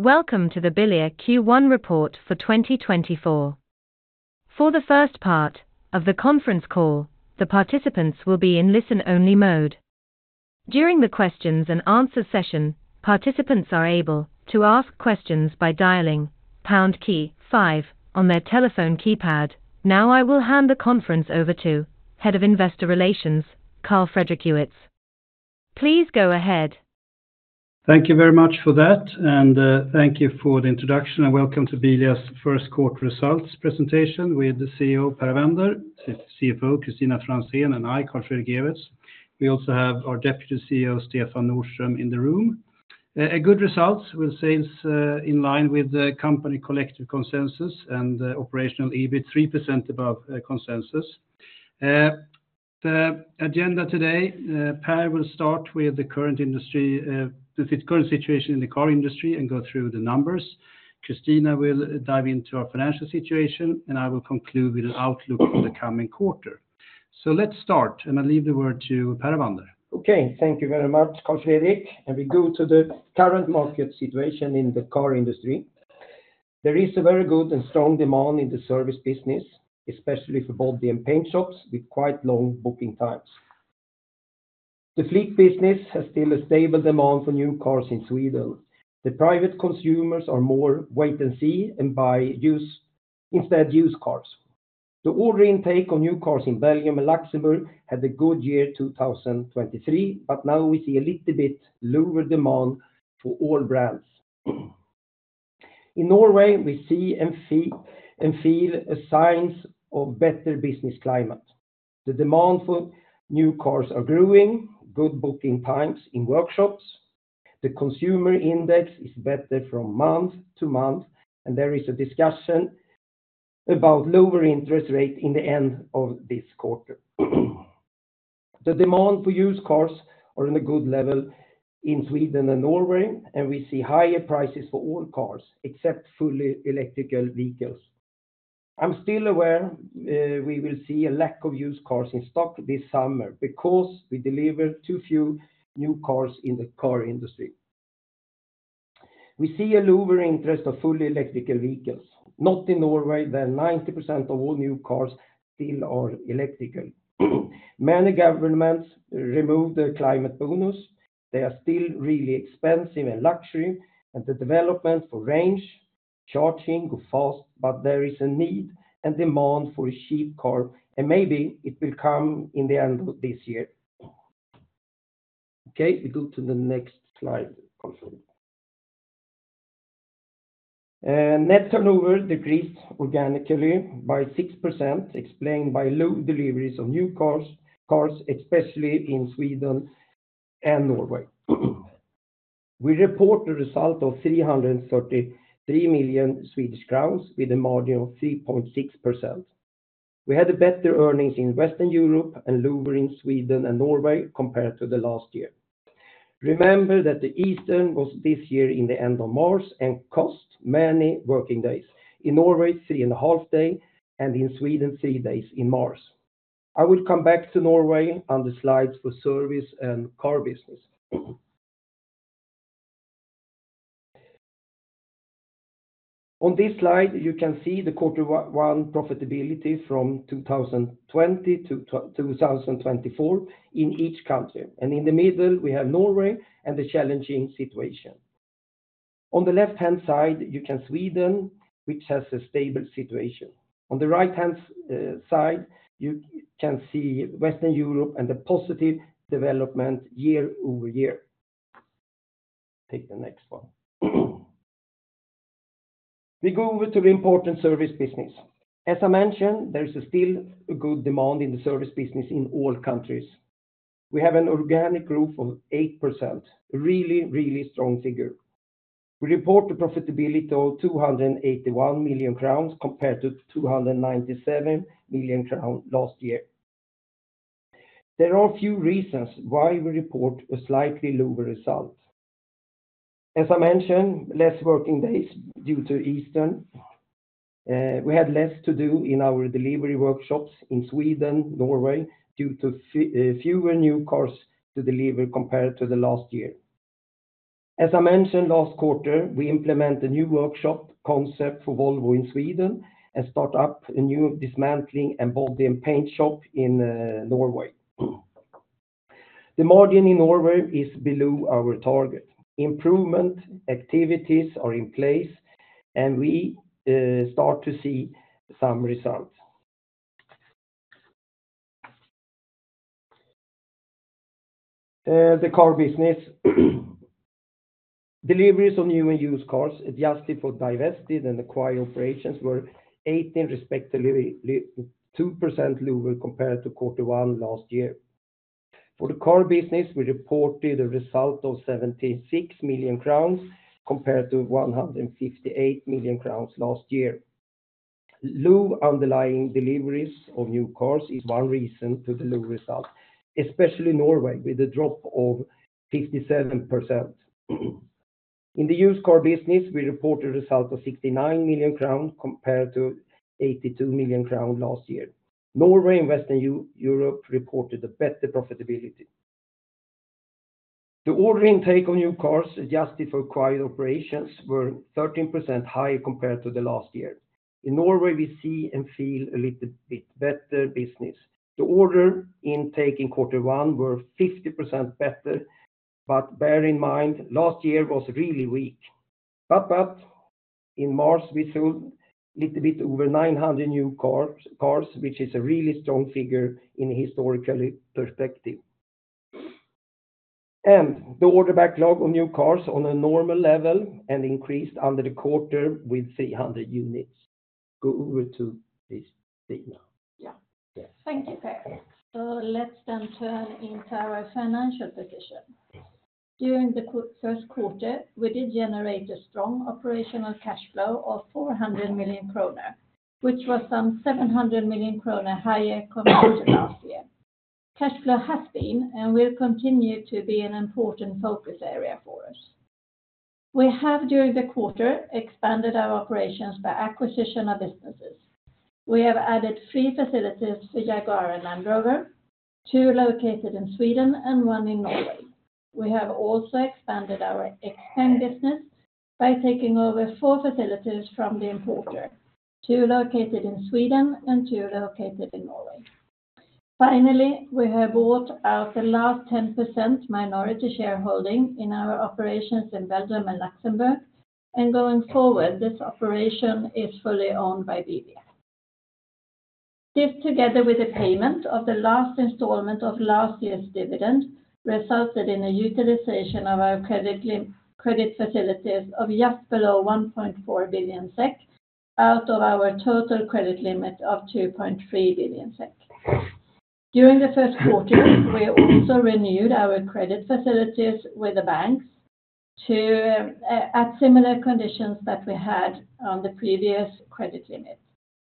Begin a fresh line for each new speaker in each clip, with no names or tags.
Welcome to the Bilia Q1 report for 2024. For the first part of the conference call, the participants will be in listen-only mode. During the questions-and-answers session, participants are able to ask questions by dialing pound key five on their telephone keypad. Now I will hand the conference over to Head of Investor Relations, Carl Fredrik Ewetz. Please go ahead.
Thank you very much for that, and thank you for the introduction. Welcome to Bilia's first quarter results presentation with CEO Per Avander, CFO Kristina Franzén, and I, Carl Fredrik Ewetz. We also have our Deputy CEO Stefan Nordström in the room. Good results, we'll say, in line with the company collective consensus and operational EBIT 3% above consensus. The agenda today: Per will start with the current situation in the car industry and go through the numbers. Kristina will dive into our financial situation, and I will conclude with an outlook for the coming quarter. So let's start, and I'll leave the word to Per Avander.
Okay, thank you very much, Carl Fredrik. We go to the current market situation in the car industry. There is a very good and strong demand in the service business, especially for body and paint shops with quite long booking times. The fleet business has still a stable demand for new cars in Sweden. The private consumers are more wait-and-see and instead use cars. The order intake on new cars in Belgium and Luxembourg had a good year 2023, but now we see a little bit lower demand for all brands. In Norway, we see and feel signs of better business climate. The demand for new cars is growing. Good booking times in workshops. The consumer index is better from month to month, and there is a discussion about lower interest rates in the end of this quarter. The demand for used cars is on a good level in Sweden and Norway, and we see higher prices for all cars except fully electrical vehicles. I'm still aware we will see a lack of used cars in stock this summer because we deliver too few new cars in the car industry. We see a lower interest in fully electrical vehicles. Not in Norway, 90% of all new cars still are electrical. Many governments removed the climate bonus. They are still really expensive and luxury, and the development for range charging is fast, but there is a need and demand for a cheap car, and maybe it will come in the end of this year. Okay, we go to the next slide, Carl Fredrik. Net turnover decreased organically by 6%, explained by low deliveries of new cars, especially in Sweden and Norway. We report a result of 333 million Swedish crowns with a margin of 3.6%. We had better earnings in Western Europe and lower in Sweden and Norway compared to the last year. Remember that Easter was this year in the end of March and cost many working days. In Norway, 3.5 days, and in Sweden, three days in March. I will come back to Norway on the slides for service and car business. On this slide, you can see the quarter one profitability from 2020 to 2024 in each country. In the middle, we have Norway and the challenging situation. On the left-hand side, you can see Sweden, which has a stable situation. On the right-hand side, you can see Western Europe and the positive development year-over-year. Take the next one. We go over to the important service business. As I mentioned, there is still a good demand in the service business in all countries. We have an organic growth of 8%, a really, really strong figure. We report a profitability of 281 million crowns compared to 297 million crowns last year. There are a few reasons why we report a slightly lower result. As I mentioned, less working days due to Easter. We had less to do in our delivery workshops in Sweden, Norway, due to fewer new cars to deliver compared to the last year. As I mentioned, last quarter, we implemented a new workshop concept for Volvo in Sweden and started up a new dismantling and body and paint shop in Norway. The margin in Norway is below our target. Improvement activities are in place, and we start to see some results. The car business. Deliveries of new and used cars adjusted for divested and acquired operations were 18%, respectively 2% lower compared to quarter one last year. For the car business, we reported a result of 76 million crowns compared to 158 million crowns last year. Low underlying deliveries of new cars is one reason for the low result, especially Norway with a drop of 57%. In the used car business, we reported a result of 69 million crowns compared to 82 million crowns last year. Norway and Western Europe reported better profitability. The order intake of new cars adjusted for acquired operations was 13% higher compared to the last year. In Norway, we see and feel a little bit better business. The order intake in quarter one was 50% better, but bear in mind last year was really weak. But in March, we sold a little bit over 900 new cars, which is a really strong figure in a historical perspective. And the order backlog of new cars on a normal level increased under the quarter with 300 units. Go over to Kristina.
Yeah. Thank you, Per. So let's then turn into our financial position. During the first quarter, we did generate a strong operational cash flow of 400 million kronor, which was some 700 million kronor higher compared to last year. Cash flow has been and will continue to be an important focus area for us. We have, during the quarter, expanded our operations by acquisition of businesses. We have added three facilities for Jaguar and Land Rover, two located in Sweden and one in Norway. We have also expanded our XPENG business by taking over four facilities from the importer, two located in Sweden and two located in Norway. Finally, we have bought out the last 10% minority shareholding in our operations in Belgium and Luxembourg, and going forward, this operation is fully owned by Bilia. This, together with the payment of the last installment of last year's dividend, resulted in a utilization of our credit facilities of just below 1.4 billion SEK out of our total credit limit of 2.3 billion SEK. During the first quarter, we also renewed our credit facilities with the banks at similar conditions that we had on the previous credit limit.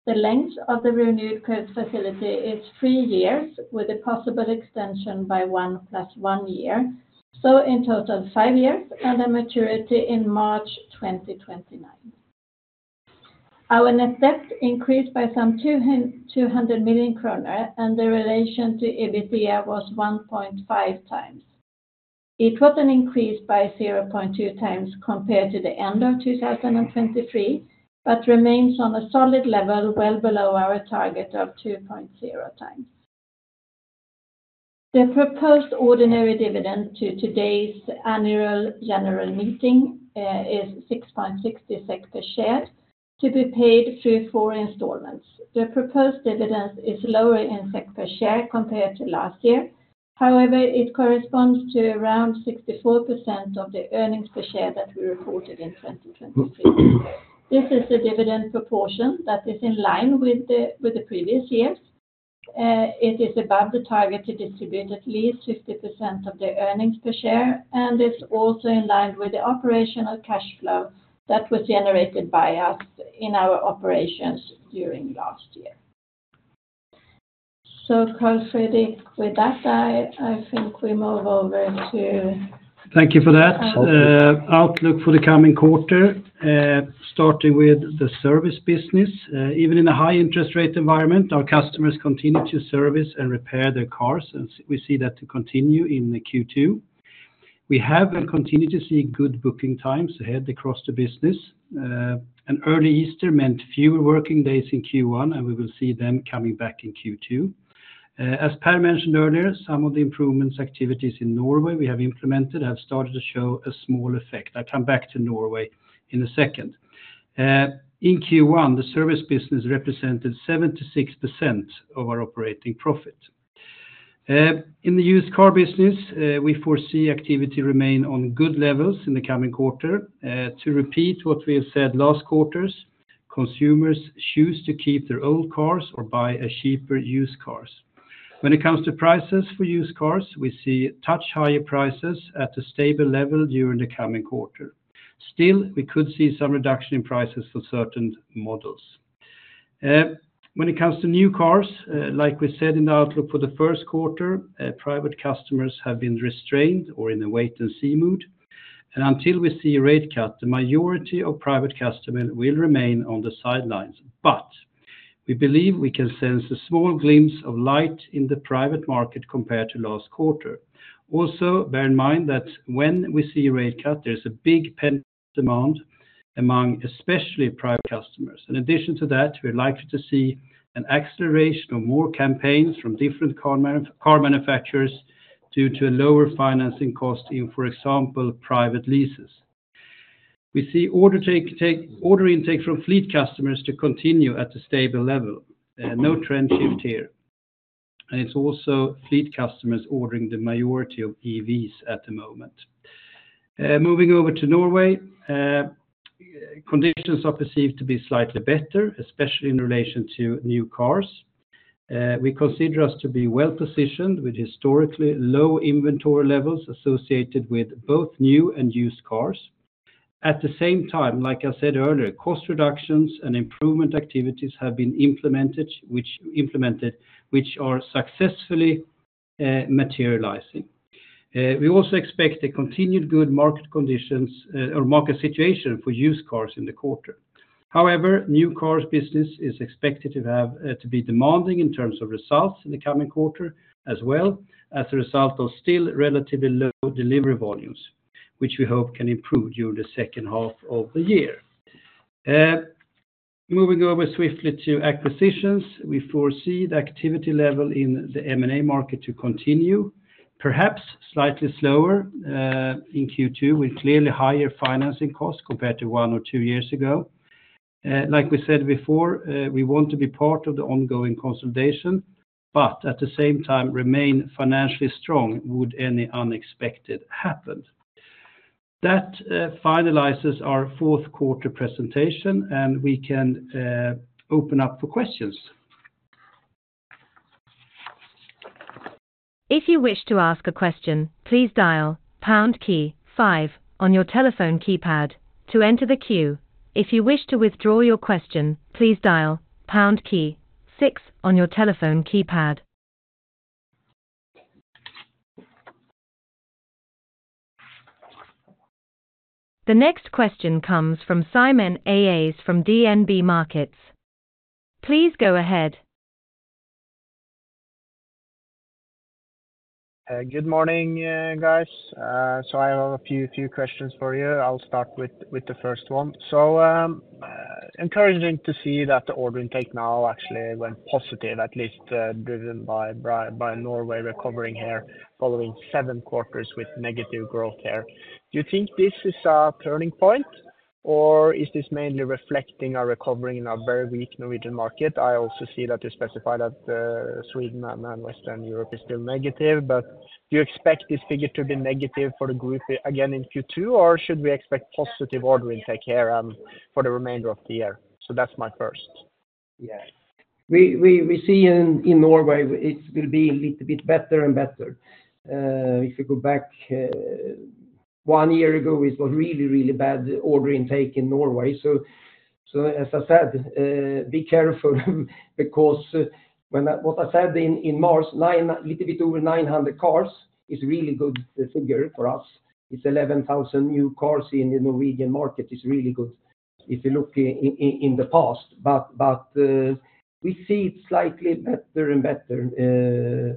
The length of the renewed credit facility is three years with a possible extension by one plus one year, so in total, five years and a maturity in March 2029. Our net debt increased by some 200 million kronor, and the relation to EBITDA was 1.5x. It was an increase by 0.2x compared to the end of 2023 but remains on a solid level, well below our target of 2.0x. The proposed ordinary dividend to today's annual general meeting is 6.60 per share to be paid through four installments. The proposed dividend is lower in SEK per share compared to last year. However, it corresponds to around 64% of the earnings per share that we reported in 2023. This is a dividend proportion that is in line with the previous years. It is above the target to distribute at least 50% of the earnings per share and is also in line with the operational cash flow that was generated by us in our operations during last year. So, Carl Fredrik, with that, I think we move over to.
Thank you for that. Outlook for the coming quarter, starting with the service business. Even in a high-interest-rate environment, our customers continue to service and repair their cars, and we see that continue in Q2. We have continued to see good booking times ahead across the business. An early Easter meant fewer working days in Q1, and we will see them coming back in Q2. As Per mentioned earlier, some of the improvements activities in Norway we have implemented have started to show a small effect. I'll come back to Norway in a second. In Q1, the service business represented 76% of our operating profit. In the used car business, we foresee activity remaining on good levels in the coming quarter. To repeat what we have said last quarters, consumers choose to keep their old cars or buy cheaper used cars. When it comes to prices for used cars, we see a touch higher prices at a stable level during the coming quarter. Still, we could see some reduction in prices for certain models. When it comes to new cars, like we said in the outlook for the first quarter, private customers have been restrained or in a wait-and-see mood. Until we see a rate cut, the majority of private customers will remain on the sidelines. We believe we can sense a small glimpse of light in the private market compared to last quarter. Also, bear in mind that when we see a rate cut, there is a big pending demand among especially private customers. In addition to that, we're likely to see an acceleration of more campaigns from different car manufacturers due to a lower financing cost in, for example, private leases. We see order intake from fleet customers continue at a stable level. No trend shift here. And it's also fleet customers ordering the majority of EVs at the moment. Moving over to Norway, conditions are perceived to be slightly better, especially in relation to new cars. We consider us to be well-positioned with historically low inventory levels associated with both new and used cars. At the same time, like I said earlier, cost reductions and improvement activities have been implemented, which are successfully materializing. We also expect a continued good market situation for used cars in the quarter. However, the new cars business is expected to be demanding in terms of results in the coming quarter as a result of still relatively low delivery volumes, which we hope can improve during the second half of the year. Moving over swiftly to acquisitions, we foresee the activity level in the M&A market to continue, perhaps slightly slower in Q2 with clearly higher financing costs compared to one or two years ago. Like we said before, we want to be part of the ongoing consolidation, but at the same time, remain financially strong would any unexpected happen. That finalizes our fourth quarter presentation, and we can open up for questions.
If you wish to ask a question, please dial pound key five on your telephone keypad to enter the queue. If you wish to withdraw your question, please dial pound key six on your telephone keypad. The next question comes from Simen Aas from DNB Markets. Please go ahead.
Good morning, guys. So I have a few questions for you. I'll start with the first one. So encouraging to see that the order intake now actually went positive, at least driven by Norway recovering here following seven quarters with negative growth here. Do you think this is a turning point, or is this mainly reflecting our recovering in our very weak Norwegian market? I also see that you specified that Sweden and Western Europe is still negative, but do you expect this figure to be negative for the group again in Q2, or should we expect positive order intake here for the remainder of the year? So that's my first.
Yeah. We see in Norway it will be a little bit better and better. If we go back, one year ago, it was really, really bad order intake in Norway. So as I said, be careful because what I said in March, a little bit over 900 cars is a really good figure for us. It's 11,000 new cars in the Norwegian market. It's really good if you look in the past. But we see it's slightly better and better.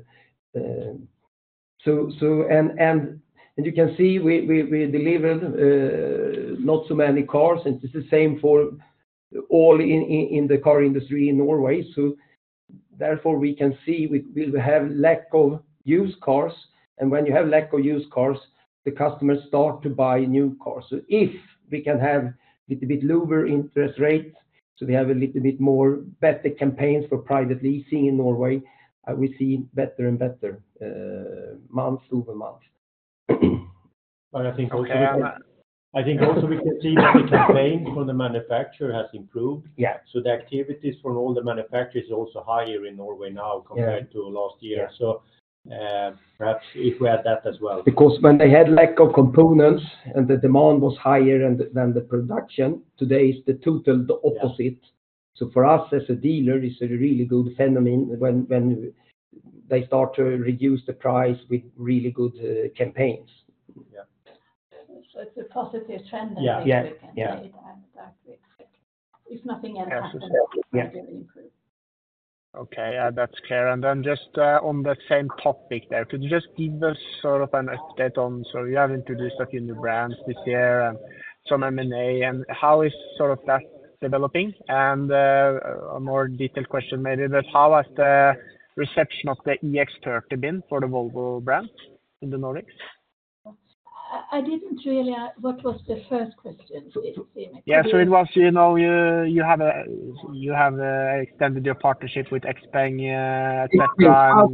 And you can see we delivered not so many cars, and it's the same for all in the car industry in Norway. So therefore, we can see we will have a lack of used cars. And when you have a lack of used cars, the customers start to buy new cars. If we can have a little bit lower interest rate, so we have a little bit more better campaigns for private leasing in Norway, we see better and better months over months.
But I think also we can see that the campaign from the manufacturer has improved. So the activities from all the manufacturers are also higher in Norway now compared to last year. So perhaps if we add that as well.
Because when they had a lack of components and the demand was higher than the production, today it's the total, the opposite. So for us as a dealer, it's a really good phenomenon when they start to reduce the price with really good campaigns.
It's a positive trend, I think we can say that, if nothing else happens, it will improve.
Okay. That's clear. And then just on that same topic there, could you just give us sort of an update on so you have introduced a few new brands this year and some M&A, and how is sort of that developing? And a more detailed question maybe, but how has the reception of the EX30 been for the Volvo brand in the Nordics?
I didn't really hear what was the first question, Stefan?
Yeah. So it was you have extended your partnership with XPENG, etc.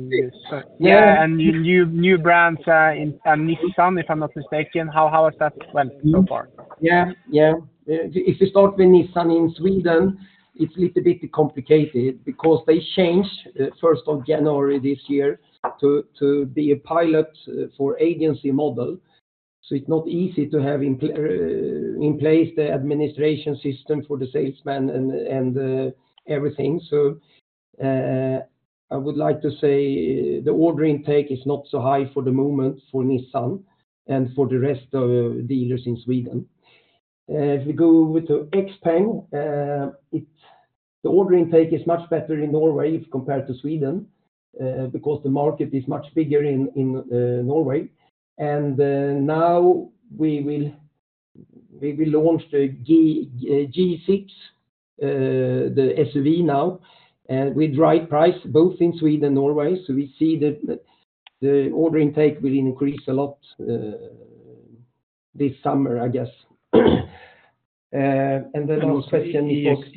Yeah. And new brands and Nissan, if I'm not mistaken, how has that went so far?
Yeah. Yeah. If you start with Nissan in Sweden, it's a little bit complicated because they changed 1st of January this year to be a pilot for agency model. So it's not easy to have in place the administration system for the salesman and everything. So I would like to say the order intake is not so high for the moment for Nissan and for the rest of dealers in Sweden. If we go over to XPENG, the order intake is much better in Norway compared to Sweden because the market is much bigger in Norway. And now we will launch the G6, the SUV now, with the right price both in Sweden and Norway. So we see the order intake will increase a lot this summer, I guess. And the last question was.
So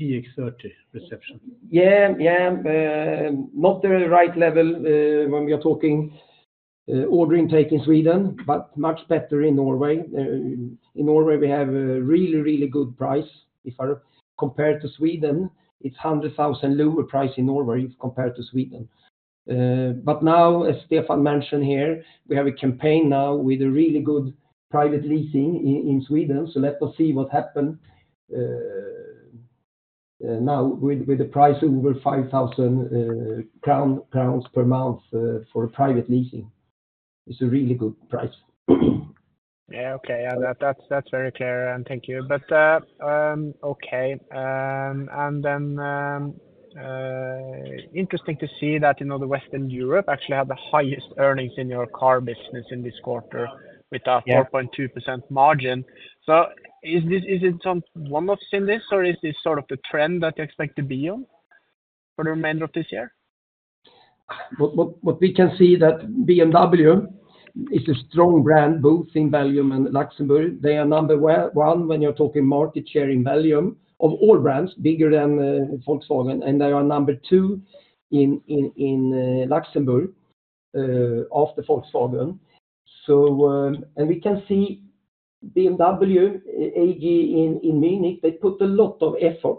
the EX30 reception?
Yeah. Yeah. Not the right level when we are talking order intake in Sweden, but much better in Norway. In Norway, we have a really, really good price. Compared to Sweden, it's 100,000 lower price in Norway compared to Sweden. But now, as Stefan mentioned here, we have a campaign now with a really good private leasing in Sweden. So let us see what happens now with the price over 5,000 crown per month for private leasing. It's a really good price.
Yeah. Okay. That's very clear. And thank you. But okay. And then interesting to see that Western Europe actually had the highest earnings in your car business in this quarter with a 4.2% margin. So is it one-offs in this, or is this sort of the trend that you expect to be on for the remainder of this year?
What we can see is that BMW is a strong brand both in Belgium and Luxembourg. They are number one when you're talking market share in Belgium of all brands, bigger than Volkswagen. And they are number two in Luxembourg after Volkswagen. And we can see BMW AG in Munich, they put a lot of effort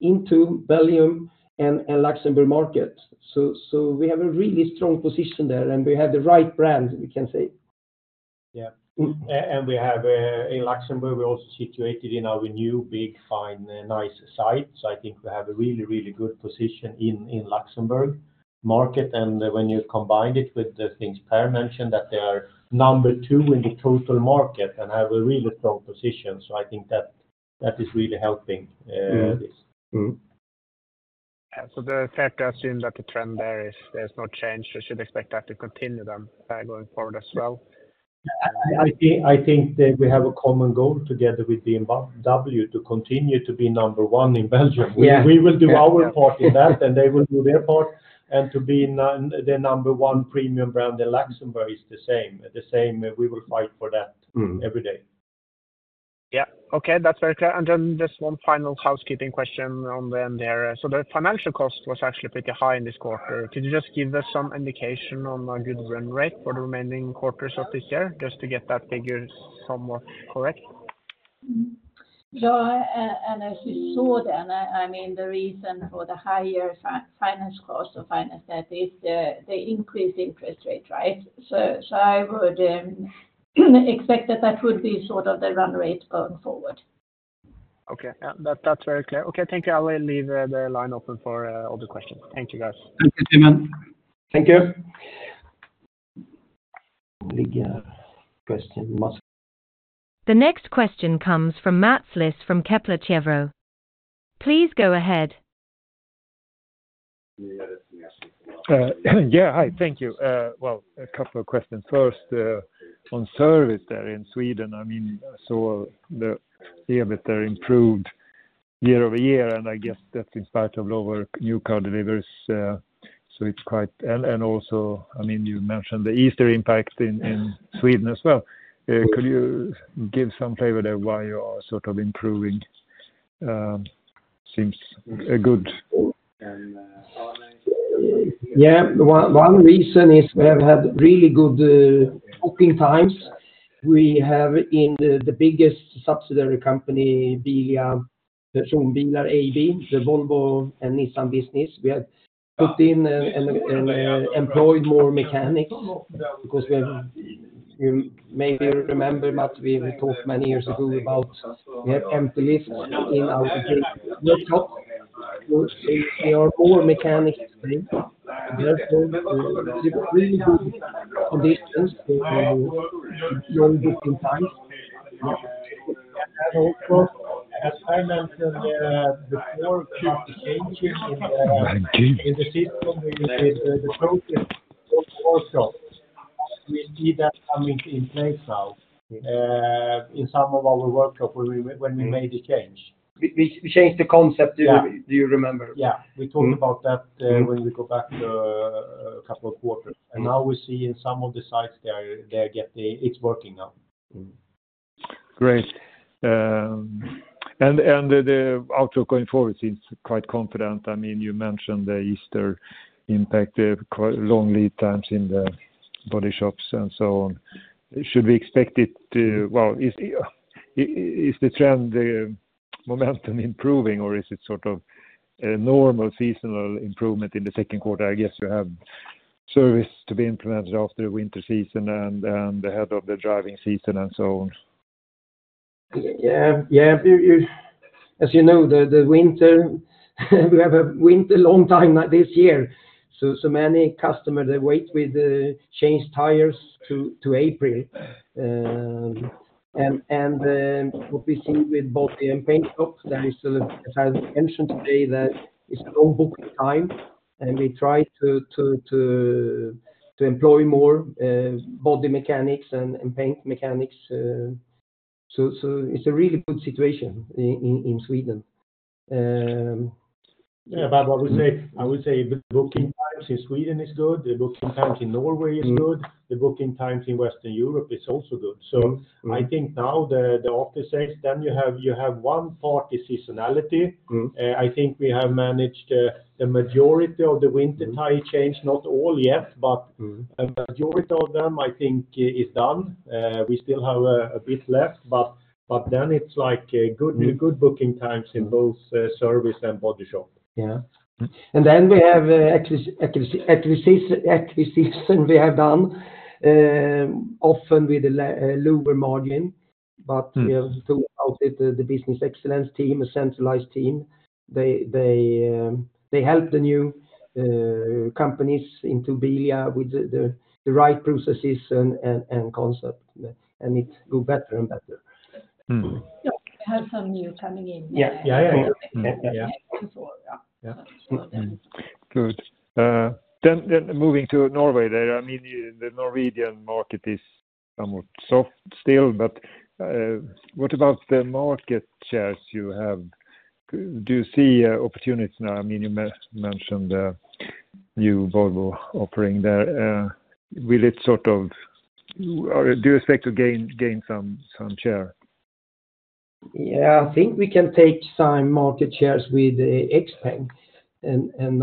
into Belgium and Luxembourg market. So we have a really strong position there, and we have the right brands, we can say.
Yeah. And in Luxembourg, we're also situated in our new, big, fine, nice site. So I think we have a really, really good position in Luxembourg market. And when you combine it with the things Per mentioned, that they are number two in the total market and have a really strong position. So I think that is really helping this.
The fact has been that the trend there is. There's no change. We should expect that to continue then going forward as well.
I think we have a common goal together with BMW to continue to be number one in Belgium. We will do our part in that, and they will do their part. To be the number one premium brand in Luxembourg is the same. We will fight for that every day.
Yeah. Okay. That's very clear. And then just one final housekeeping question on the end there. So the financial cost was actually pretty high in this quarter. Could you just give us some indication on a good run rate for the remaining quarters of this year, just to get that figure somewhat correct?
Yeah. And as you saw then, I mean, the reason for the higher finance costs or finance debt is the increased interest rate, right? So I would expect that that would be sort of the run rate going forward.
Okay. That's very clear. Okay. Thank you. I will leave the line open for all the questions. Thank you, guys.
Thank you, Stefan.
Thank you.
The next question comes from Mats Liss from Kepler Cheuvreux. Please go ahead.
Yeah. Hi. Thank you. Well, a couple of questions. First, on service there in Sweden, I mean, I saw the EV there improved year over year, and I guess that's in spite of lower new car deliveries. And also, I mean, you mentioned the Easter impact in Sweden as well. Could you give some flavor there why you are sort of improving? Seems a good.
Yeah. One reason is we have had really good booking times. We have in the biggest subsidiary company, Bilia Personbilar AB, the Volvo and Nissan business, we have put in and employed more mechanics because you may remember, Mat, we talked many years ago about we have empty lifts in our workshops. So there are more mechanics today. Therefore, it's really good conditions for long booking times.
Yeah. And also. As Per mentioned before, quick changing in the system with the process workshop, we see that coming in place now in some of our workshops when we made the change.
We changed the concept, do you remember?
Yeah. We talked about that when we go back a couple of quarters. And now we see in some of the sites there, it's working now.
Great. And the outlook going forward seems quite confident. I mean, you mentioned the Easter impact, long lead times in the body shops and so on. Should we expect it to, well, is the trend momentum improving, or is it sort of a normal seasonal improvement in the second quarter? I guess you have service to be implemented after the winter season and ahead of the driving season and so on.
Yeah. Yeah. As you know, we have a winter long time this year. So many customers, they wait with changed tires to April. And what we see with body and paint shops, as I mentioned today, that it's a long booking time, and we try to employ more body mechanics and paint mechanics. So it's a really good situation in Sweden.
Yeah. But I would say the booking times in Sweden is good. The booking times in Norway is good. The booking times in Western Europe is also good. So I think now the office says, "Then you have one party seasonality." I think we have managed the majority of the winter tire change, not all yet, but a majority of them, I think, is done. We still have a bit left, but then it's good booking times in both service and body shop.
Yeah. And then we have acquisition we have done, often with a lower margin. But we have thought about it, the business excellence team, a centralized team. They help the new companies into Bilia with the right processes and concept, and it goes better and better.
Yeah. We have some new coming in.
Yeah. Yeah. Yeah. Yeah.
And so on. Yeah. So then.
Good. Then, moving to Norway there. I mean, the Norwegian market is somewhat soft still, but what about the market shares you have? Do you see opportunities now? I mean, you mentioned the new Volvo offering there. Will it sort of, do you expect to gain some share?
Yeah. I think we can take some market shares with XPENG.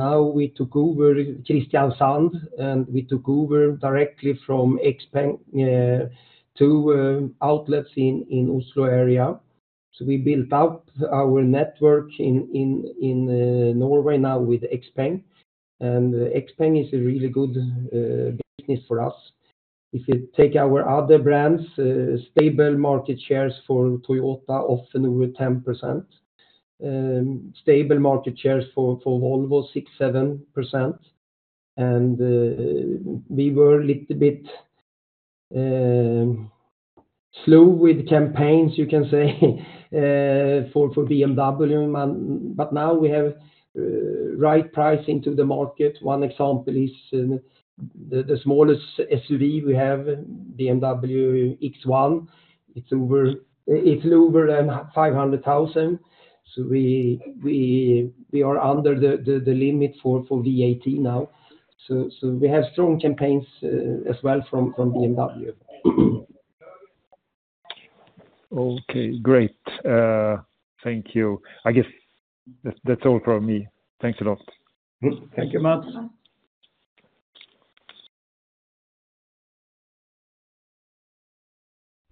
Now we took over Kristiansand, and we took over directly from XPENG two outlets in Oslo area. So we built up our network in Norway now with XPENG. And XPENG is a really good business for us. If you take our other brands, stable market shares for Toyota, often over 10%. Stable market shares for Volvo, 6%-7%. And we were a little bit slow with campaigns, you can say, for BMW. But now we have right pricing to the market. One example is the smallest SUV we have, BMW X1. It's lower than 500,000. So we are under the limit for VAT now. So we have strong campaigns as well from BMW.
Okay. Great. Thank you. I guess that's all from me. Thanks a lot.
Thank you, Mats.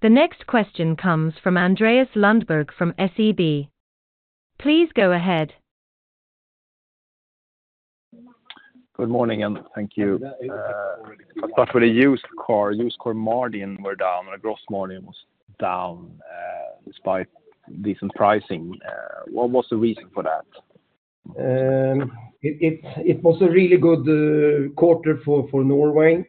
The next question comes from Andreas Lundberg from SEB. Please go ahead.
Good morning. Thank you. But for the used car, used car margin were down, and the gross margin was down despite decent pricing. What was the reason for that?
It was a really good quarter for Norway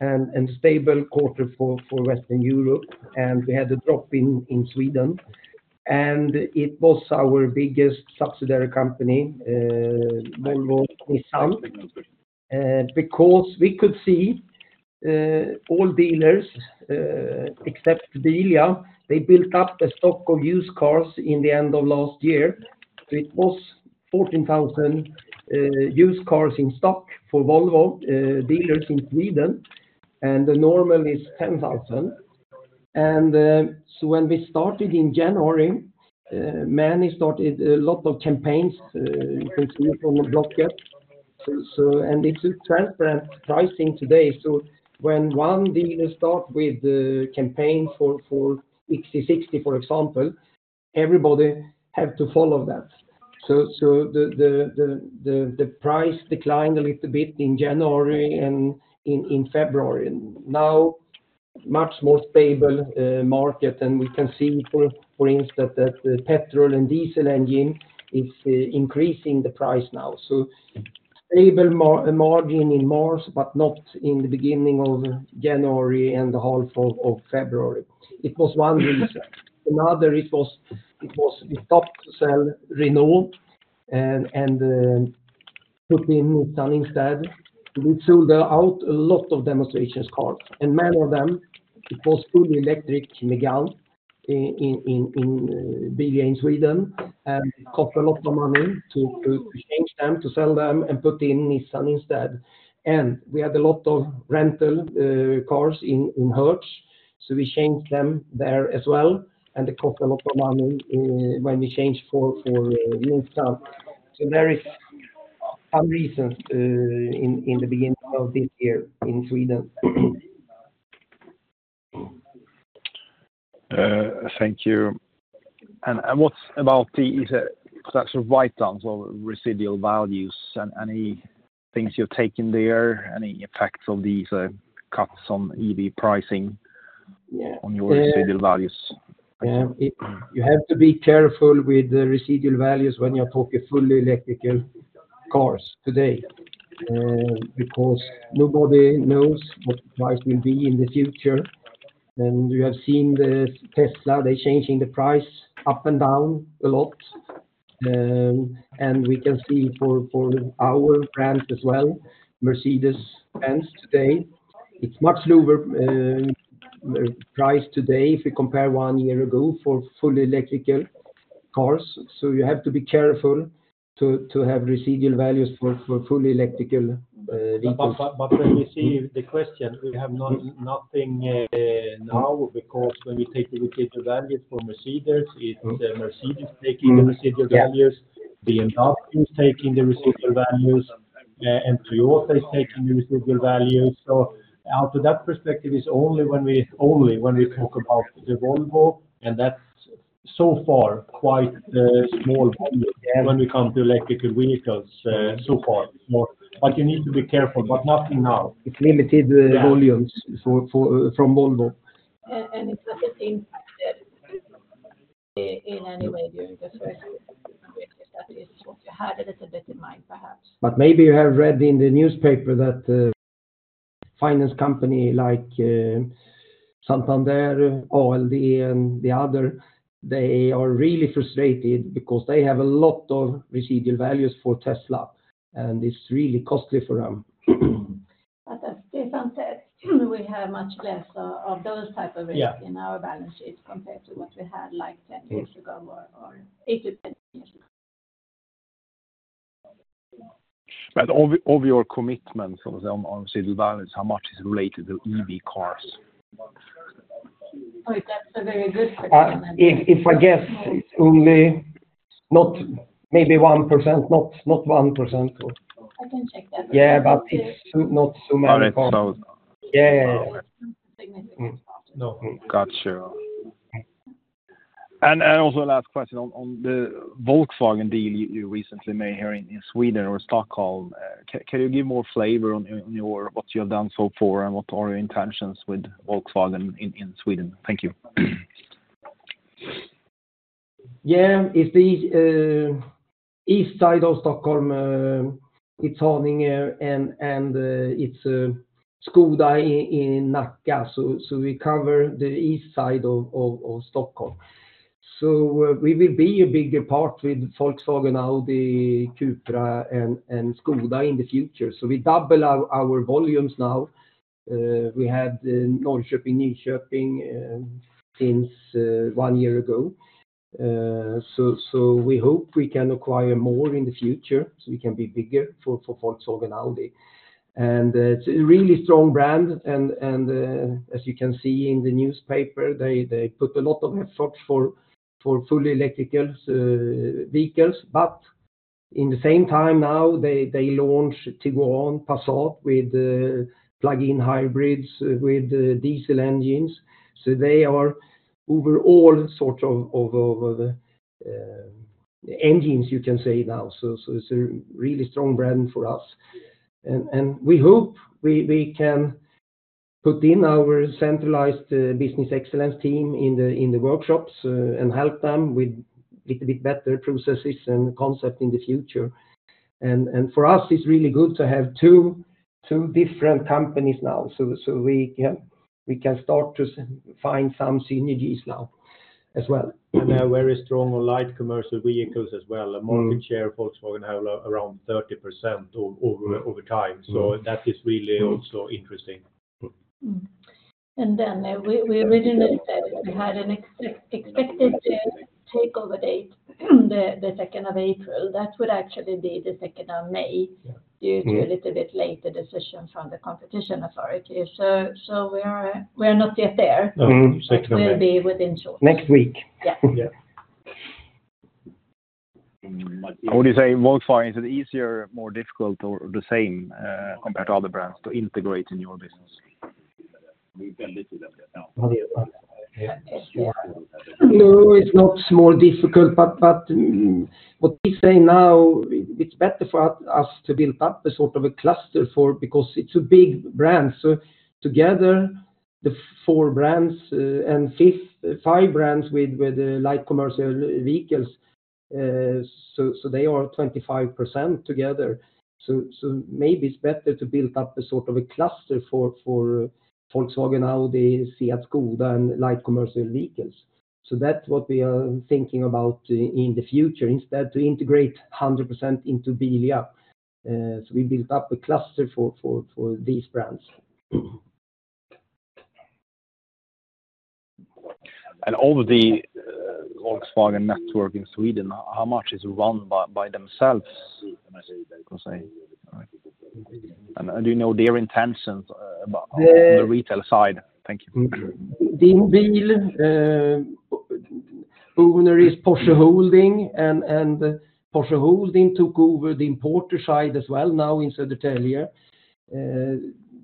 and a stable quarter for Western Europe. And we had a drop in Sweden. And it was our biggest subsidiary company, Volvo Nissan, because we could see all dealers except Bilia, they built up a stock of used cars in the end of last year. So it was 14,000 used cars in stock for Volvo dealers in Sweden, and normally it's 10,000. And so when we started in January, many started a lot of campaigns, you can see from Blocket. And it's transparent pricing today. So when one dealer starts with a campaign for XC60, for example, everybody has to follow that. So the price declined a little bit in January and in February. Now, much more stable market. And we can see, for instance, that the petrol and diesel engine is increasing the price now. Stable margin in March, but not in the beginning of January and the half of February. It was one reason. Another, it was we stopped selling Renault and put in Nissan instead. We sold out a lot of demonstration cars. And many of them, it was fully electric Megane in Bilia in Sweden. And it cost a lot of money to change them, to sell them, and put in Nissan instead. And we had a lot of rental cars in Hertz. So we changed them there as well. And it cost a lot of money when we changed for Nissan. There are some reasons in the beginning of this year in Sweden.
Thank you. And what about the is it perhaps a write-down of residual values? Any things you've taken there? Any effects of these cuts on EV pricing on your residual values?
Yeah. You have to be careful with residual values when you're talking fully electrical cars today because nobody knows what the price will be in the future. You have seen Tesla, they're changing the price up and down a lot. We can see for our brands as well, Mercedes-Benz today, it's much lower price today if we compare one year ago for fully electrical cars. You have to be careful to have residual values for fully electrical vehicles.
But when we see the question, we have nothing now because when we take the residual values for Mercedes, it's Mercedes taking the residual values. BMW is taking the residual values. And Toyota is taking the residual values. So out of that perspective, it's only when we talk about the Volvo, and that's so far quite small volume when we come to electric vehicles so far. But you need to be careful, but nothing now.
It's limited volumes from Volvo.
And it doesn't impact them in any way during the first quarter. That is what you had a little bit in mind, perhaps.
But maybe you have read in the newspaper that finance company like Santander, ALD, and the other, they are really frustrated because they have a lot of residual values for Tesla, and it's really costly for them.
As Stefan said, we have much less of those type of risk in our balance sheets compared to what we had like 10 years ago or eight to 10 years ago.
Of your commitment on residual values, how much is related to EV cars?
That's a very good question.
If I guess it's only maybe 1%, not 1%.
I can check that.
Yeah. But it's not so many cars.
All right. So.
Yeah. Yeah. Yeah.
It's not a significant part.
Gotcha. And also, last question on the Volkswagen deal you recently made here in Sweden or Stockholm. Can you give more flavor on what you have done so far and what are your intentions with Volkswagen in Sweden? Thank you.
Yeah. It's the east side of Stockholm, Haninge, and it's Skoda in Nacka. So we cover the east side of Stockholm. So we will be a bigger part with Volkswagen, Audi, Cupra, and Skoda in the future. So we double our volumes now. We had Norrköping, Nyköping since one year ago. So we hope we can acquire more in the future so we can be bigger for Volkswagen, Audi. And it's a really strong brand. And as you can see in the newspaper, they put a lot of effort for fully electrical vehicles. But in the same time now, they launch Tiguan, Passat with plug-in hybrids with diesel engines. So they are over all sorts of engines, you can say now. So it's a really strong brand for us. We hope we can put in our centralized business excellence team in the workshops and help them with a little bit better processes and concept in the future. And for us, it's really good to have two different companies now. So we can start to find some synergies now as well.
And they're very strong on light commercial vehicles as well. A market share Volkswagen has around 30% over time. So that is really also interesting.
And then we originally said we had an expected takeover date, the 2nd of April. That would actually be the 2nd of May due to a little bit later decision from the competition authorities. So we are not yet there. It will be within short.
Next week.
Yeah.
Would you say, Volkswagen, is it easier, more difficult, or the same compared to other brands to integrate in your business?
No, it's not more difficult. But what we say now, it's better for us to build up a sort of a cluster because it's a big brand. So together, the four brands and five brands with light commercial vehicles, so they are 25% together. So maybe it's better to build up a sort of a cluster for Volkswagen, Audi, SEAT, Skoda, and light commercial vehicles. So that's what we are thinking about in the future, instead to integrate 100% into Bilia. So we built up a cluster for these brands.
All of the Volkswagen network in Sweden, how much is run by themselves? Do you know their intentions on the retail side? Thank you.
Din Bil owners is Porsche Holding, and Porsche Holding took over the importer side as well now in Södertälje.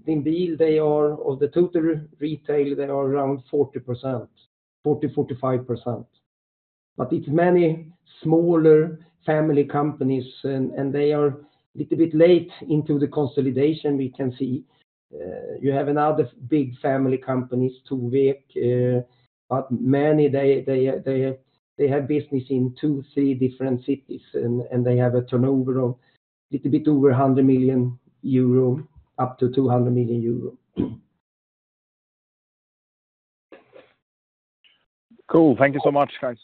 Din Bil, of the total retail, they are around 40%, 40%-45%. But it's many smaller family companies, and they are a little bit late into the consolidation, we can see. You have other big family companies, Tovek, but many, they have business in two, three different cities, and they have a turnover of a little bit over 100 million euro, up to 200 million euro.
Cool. Thank you so much, guys.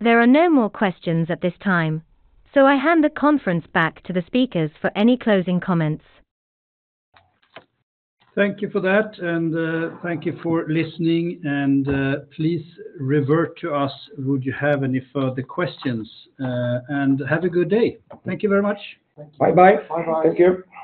Thank you, Andreas.
There are no more questions at this time, so I hand the conference back to the speakers for any closing comments.
Thank you for that. Thank you for listening. Please revert to us. Would you have any further questions. Have a good day. Thank you very much.
Bye-bye.
Bye-bye.
Thank you.